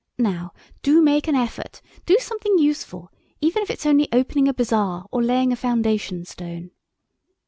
Now, do make an effort; do something useful, if it's only opening a bazaar or laying a foundation stone."